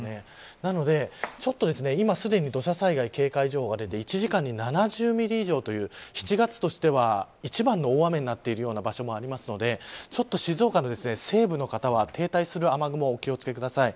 なので、今すでに土砂災害警戒情報が出て１時間に７０ミリ以上という７月としては一番の大雨になっているような場所もあるのでちょっと静岡の西部の方は停滞する雨雲にお気を付けください。